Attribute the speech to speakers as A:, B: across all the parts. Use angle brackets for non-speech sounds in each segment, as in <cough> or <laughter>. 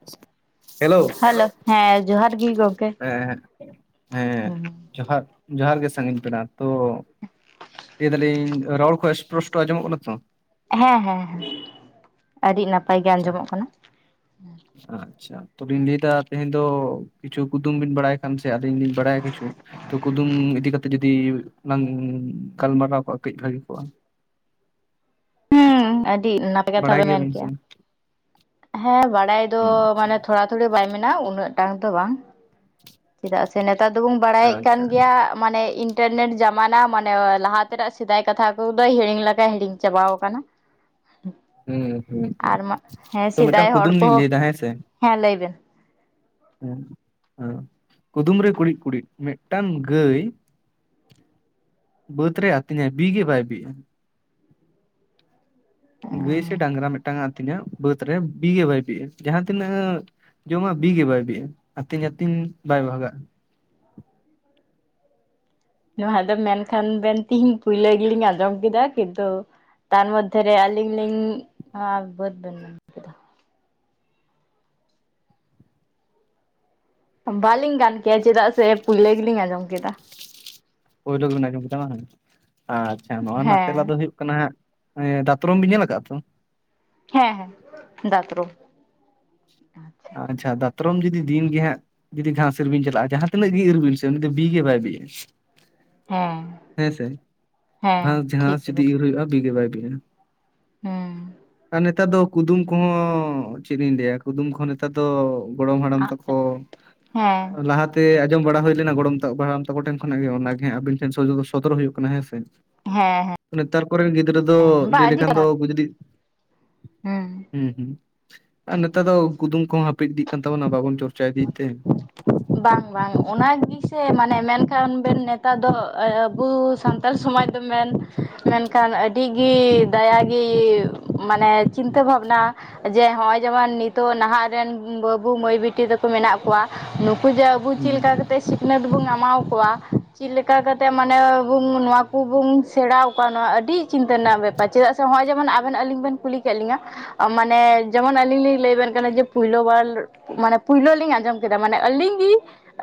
A: <unintelligible> Hello,
B: ᱦᱮᱸ ᱡᱚᱦᱟᱨ ᱜᱮ ᱜᱚᱝᱠᱮ
A: ᱦᱮᱸ ᱦᱮᱸ᱾ ᱡᱚᱦᱟᱸᱨ ᱡᱚᱦᱟᱸᱨ ᱜᱮ ᱥᱟᱺᱜᱤᱧ ᱯᱮᱲᱟ ᱛᱚ ᱞᱟᱹᱭ ᱫᱟᱞᱤᱧ ᱨᱚᱲ ᱠᱚᱼᱼ ᱯᱨᱚᱥᱴᱚ ᱟᱡᱸᱚᱢᱚᱜ ᱠᱟᱱᱟ ᱛᱚ?
B: ᱦᱮᱸ ᱦᱮᱸ, ᱾ᱟᱹᱰᱤ ᱱᱟᱯᱟᱭ ᱜᱮ ᱟᱸᱡᱚᱢᱚᱜ ᱠᱟᱱᱟ
A: ᱟᱪᱪᱷᱟ ᱟᱪᱪᱷᱟ ᱛᱚ ᱞᱤᱧ ᱞᱟᱹᱭ ᱫᱟ ᱛᱮᱦᱮᱧ ᱫᱚ ᱠᱤᱪᱷᱩ ᱠᱩᱫᱩᱢ ᱵᱤᱱ ᱵᱟᱲᱟᱭᱼᱼ ᱥᱮ ᱟᱹᱞᱤᱧ ᱵᱟᱰᱟᱭ ᱠᱤᱪᱷᱩ ᱠᱩᱫᱩᱢ ᱤᱫᱤ ᱠᱟᱛᱮ ᱡᱩᱼᱼ ᱫᱤ ᱞᱟᱝ ᱜᱟᱞᱢᱟᱨᱟᱣ ᱠᱚᱜᱼᱟ, ᱠᱟᱹᱡ ᱵᱷᱟᱹᱜᱮ ᱠᱚᱜᱼᱟ᱾
B: ᱦᱩᱸ ᱟᱹᱰᱤ ᱱᱟᱯᱼᱼ ᱠᱟᱛᱷᱟ
A: ᱵᱟᱲᱟᱭ
B: ᱯᱮ ᱢᱮᱱ
A: ᱜᱮᱭᱟᱵᱤᱱ ᱥᱮ
B: ᱠᱮᱜᱼᱟ, ᱦᱮᱸ ᱵᱟᱲᱟᱭ ᱫᱚ
A: ᱦᱩᱸ ᱟᱪᱪᱷᱟ
B: ᱢᱟᱱᱮ ᱛᱷᱚᱲᱟ ᱛᱷᱚᱲᱤ᱾ ᱵᱟᱭ ᱢᱮᱱᱟᱜᱼᱟ, ᱩᱱᱟᱹᱜ ᱴᱟᱝ ᱫᱚ ᱵᱟᱝ ᱪᱮᱫᱟᱜ ᱥᱮ ᱱᱮᱛᱟᱨ ᱫᱚᱵᱚᱱ ᱵᱟᱲᱟᱭᱮᱫ ᱠᱟᱱ
A: ᱟᱪᱪᱷᱟ
B: ᱜᱮᱭᱟᱼᱼ ᱢᱟᱱᱮ ᱤᱱᱴᱟᱨᱱᱮᱴ ᱡᱟᱢᱟᱱᱟ ᱢᱟᱱᱮ ᱞᱟᱦᱟ ᱛᱮᱱᱟᱜ ᱥᱮᱫᱟᱭ ᱠᱟᱛᱷᱟ ᱠᱚᱫᱚ ᱦᱤᱲᱤᱧ ᱞᱮᱠᱟ ᱦᱤᱲᱤᱧ ᱪᱟᱵᱟᱣ ᱼᱼ ᱠᱟᱱᱟ᱾
A: ᱦᱩᱸ ᱦᱩᱸ ᱦᱩᱸ
B: ᱟᱨ ᱢᱟ ᱦᱮᱸ,
A: ᱛᱚ
B: ᱥᱮᱫᱟᱭ
A: ᱢᱤᱫᱴᱟᱝ
B: ᱦᱚᱲ
A: ᱠᱩᱫᱩᱢ ᱞᱤᱧ
B: ᱠᱚᱦᱚᱸ,
A: ᱞᱟᱹᱭᱫᱟ ᱦᱮᱸ ᱥᱮ
B: ᱦᱮᱸ ᱞᱟᱹᱭ ᱵᱮᱱ?
A: ᱦᱮᱸ᱾ ᱦᱮᱸ, ᱠᱩᱫᱩᱢ ᱨᱮ ᱠᱩᱲᱤᱫ ᱠᱩᱲᱤᱫ ᱢᱤᱫᱴᱟᱝ ᱜᱟᱹᱭᱼᱼ ᱵᱟᱹᱫᱽ ᱨᱮ ᱟᱹᱛᱤᱧᱟᱭ ᱵᱤᱜᱮ ᱵᱟᱭ ᱵᱤᱜᱼᱟ᱾ ᱜᱟᱹᱭ ᱥᱮ ᱰᱟᱝᱨᱟ ᱢᱤᱫᱴᱟᱝ ᱮ ᱟᱛᱤᱧᱼᱟ ᱵᱟᱹᱫᱽ ᱨᱮ ᱵᱤ ᱜᱮ ᱵᱟᱭ ᱵᱤᱜᱼᱟ ᱡᱟᱦᱟᱸ ᱛᱤᱱᱟᱹᱜᱼᱼ ᱡᱚᱢᱟᱜ ᱵᱤᱜᱮ ᱵᱟᱭ ᱵᱤᱜᱼᱟ ᱟᱹᱛᱤᱧ ᱟᱹᱛᱤᱧ ᱵᱟᱭ ᱵᱷᱟᱜᱟᱜᱼᱟ᱾
B: ᱱᱚᱣᱟ ᱫᱚ ᱢᱮᱱᱠᱷᱟᱱ ᱵᱮᱱ ᱛᱤᱦᱤᱧ ᱯᱩᱭᱞᱟᱸ ᱜᱮᱞᱤᱧ ᱟᱸᱡᱚᱢ ᱠᱮᱫᱟ ᱠᱤᱱᱛᱩᱼᱼ ᱛᱟᱨ ᱢᱚᱫᱽᱫᱷᱮᱨᱮ ᱟᱹᱞᱤᱧ ᱞᱤᱧ ᱵᱟᱹᱫᱽ ᱵᱮᱱ ᱢᱮᱱ ᱠᱮᱫᱟ᱾ ᱵᱟᱞᱤᱧ ᱜᱟᱱ ᱠᱮᱭᱟ ᱪᱮᱫᱟᱜ ᱥᱮ ᱯᱩᱭᱞᱟᱹ ᱜᱮᱞᱤᱧ ᱟᱸᱡᱚᱢ ᱠᱮᱫᱟ᱾
A: ᱯᱳᱭᱞᱳ ᱵᱤᱱ ᱟᱸᱡᱚᱢ ᱠᱮᱫᱟ ᱵᱟᱝ ᱟᱪᱪᱷᱟ ᱱᱚᱣᱟ ᱨᱮᱱᱟᱜ ᱛᱮᱞᱟ
B: ᱦᱮᱸ
A: ᱫᱚ ᱦᱩᱭᱩᱜ ᱼᱼ ᱠᱟᱱᱟ ᱦᱟᱸᱜ ᱫᱟᱛᱨᱚᱢ ᱵᱤᱱ ᱧᱮᱞ ᱟᱠᱟᱜᱼᱟ ᱛᱚ?
B: ᱦᱮᱸ ᱦᱮᱸ ᱫᱟᱛᱨᱚᱢ᱾
A: ᱟᱪᱪᱷᱟ ᱫᱟᱛᱨᱚᱢ ᱡᱩᱫᱤ ᱫᱤᱱ ᱜᱮ ᱦᱟᱸᱜᱼᱼ ᱡᱩᱫᱤ ᱜᱷᱟᱥ ᱤᱨ ᱵᱤᱱ ᱪᱟᱞᱟᱜᱼᱟ ᱡᱟᱦᱟᱸ ᱛᱤᱱᱟᱹᱜ ᱜᱮ ᱤᱨ ᱵᱤᱱ ᱥᱮ ᱩᱱᱤ ᱵᱤᱜᱮ ᱵᱟᱭ ᱵᱤᱜ-ᱟ᱾
B: ᱦᱮᱸ
A: ᱦᱮᱸ ᱥᱮ
B: ᱦᱮᱸ
A: ᱵᱟᱝ
B: ᱴᱷᱤᱠ
A: ᱡᱷᱟᱥ
B: ᱜᱮᱵᱮᱱ
A: ᱡᱩᱫᱤ ᱤᱨ ᱦᱩᱭᱩᱜᱼᱟ ᱵᱤ ᱜᱮ ᱵᱟᱭ ᱵᱤᱜ-ᱟ᱾
B: ᱦᱮᱸ᱾
A: ᱱᱮᱛᱟᱨ ᱫᱚ ᱠᱩᱫᱩᱢ ᱠᱚᱦᱚᱸ ᱪᱮᱫ ᱤᱧ ᱞᱟᱹᱭᱟ ᱠᱩᱫᱩᱢ ᱠᱚᱦᱚᱸ ᱱᱮᱛᱟᱨ ᱫᱚᱼᱼ ᱜᱚᱲᱚᱢ ᱦᱟᱲᱟᱢ
B: ᱟᱫ ᱪᱟᱵᱟᱜ
A: ᱛᱟᱠᱚ
B: ᱦᱮᱸ
A: ᱞᱟᱦᱟᱼᱼ ᱛᱮ ᱟᱸᱡᱚᱢ ᱵᱟᱲᱟ ᱦᱩᱭ ᱞᱮᱱᱟ ᱜᱚᱲᱚᱢ ᱵᱟ ᱦᱟᱲᱟᱢ ᱛᱟᱠᱚ ᱴᱷᱮᱱ ᱠᱷᱚᱱᱟᱜ ᱜᱮ ᱚᱱᱟᱜᱮ ᱟᱵᱤᱱ ᱴᱷᱮᱱ ᱥᱚᱫ ᱥᱚᱫᱚᱨ ᱦᱩᱭᱩᱜ ᱠᱟᱱᱟ ᱦᱮᱸ ᱥᱮ᱾
B: ᱦᱮᱸ
A: ᱱᱮᱛᱟᱨ ᱠᱚᱨᱮᱱ ᱜᱤᱫᱽᱨᱟᱹ ᱫᱚ
B: ᱦᱮᱸ
A: ᱞᱟᱹᱭ ᱞᱮᱠᱷᱟᱱ ᱫᱚ ᱩᱱᱠᱩ ᱡᱩᱫᱤ ᱼᱼ
B: ᱦᱮᱸ᱾
A: ᱦᱩᱸ ᱦᱩᱸ ᱟᱨ ᱱᱮᱛᱟᱨ ᱫᱚ ᱠᱩᱫᱩᱢ ᱠᱚᱦᱚᱸ ᱦᱟᱹᱯᱤᱫ ᱤᱫᱤᱜ ᱠᱟᱱ ᱛᱟᱵᱚᱱᱟ ᱵᱟᱵᱚᱱ ᱪᱚᱨᱪᱟᱭ ᱤᱫᱤ ᱮᱫ ᱛᱮ᱾
B: ᱵᱟᱝ ᱵᱟᱝ ᱚᱱᱟ ᱜᱤᱥᱮ ᱢᱟᱱᱮ ᱢᱮᱱᱠᱷᱟᱱ ᱵᱮᱱ ᱱᱮᱛᱟᱨ ᱫᱚ ᱟᱵᱚ ᱥᱟᱱᱼᱼ ᱥᱟᱱᱛᱟᱲ ᱥᱚᱢᱟᱡᱽ ᱫᱚ ᱢᱮᱱ ᱢᱮᱱᱠᱷᱟᱱ ᱟᱹᱰᱤ ᱜᱤ ᱫᱟᱭᱟ ᱜᱤ ᱢᱟᱱᱮᱼᱼ ᱪᱤᱱᱛᱟᱹ ᱵᱷᱟᱵᱽᱱᱟ᱾ ᱡᱮ ᱦᱚᱜᱼᱚᱭ ᱡᱮᱢᱚᱱ ᱱᱤᱛᱚᱜ ᱱᱟᱦᱟᱜ ᱨᱮᱱ ᱵᱟᱹᱵᱩ ᱢᱟᱹᱭ ᱵᱤᱴᱤ ᱛᱟᱠᱚ ᱢᱮᱱᱟᱜ ᱠᱚᱣᱟ᱾ ᱱᱩᱠᱩ ᱡᱮ ᱟᱵᱚ ᱪᱮᱫ ᱞᱮᱠᱟ
A: ᱦᱩᱸ
B: ᱠᱟᱛᱮ ᱥᱤᱼᱼ ᱥᱤᱠᱷᱱᱟᱹᱛ ᱵᱚᱱ ᱮᱢᱟᱣ ᱟᱠᱚᱣᱟ ᱪᱮᱫ ᱞᱮᱠᱟ ᱠᱟᱛᱮ ᱢᱟᱱᱮ ᱵᱚᱱ ᱱᱚᱣᱟ ᱠᱚᱵᱚᱱ ᱥᱮᱬᱟᱣᱟ ᱠᱚᱣᱟ ᱱᱚᱣᱟ ᱟᱹᱰᱤᱼᱼ ᱪᱤᱱᱛᱟᱹ ᱨᱮᱱᱟᱜ ᱵᱮᱯᱟᱨ ᱪᱮᱫᱟᱜ ᱥᱮ ᱱᱚᱜᱼᱚᱭ ᱡᱮᱢᱚᱱ ᱟᱵᱮᱱ ᱟᱹᱞᱤᱧ ᱵᱮᱱ ᱠᱩᱞᱤ ᱠᱮᱫ ᱞᱤᱧᱟ ᱢᱟᱱᱮ ᱡᱮᱢᱚᱱ ᱟᱹᱞᱤᱧ ᱞᱤᱧ ᱞᱟᱹᱭ ᱟᱵᱮᱱ ᱠᱟᱱᱟ ᱡᱮ ᱯᱳᱭᱞᱳ ᱵᱟᱨ ᱢᱟᱱᱮ ᱯᱳᱭᱞᱳ ᱞᱤᱧ ᱟᱸᱡᱚᱢ ᱠᱮᱫ ᱢᱟᱱᱮ ᱟᱹᱞᱤᱧ ᱜᱤ